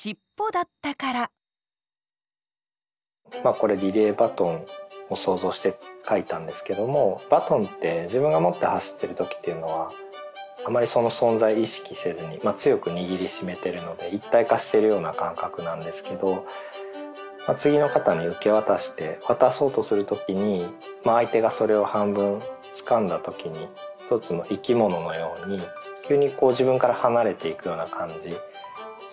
これリレーバトンを想像して書いたんですけどもバトンって自分が持って走ってる時っていうのはあまりその存在意識せずに強く握りしめてるので一体化してるような感覚なんですけど次の方に受け渡して渡そうとする時に相手がそれを半分つかんだ時にその瞬間がしっぽのようだなって。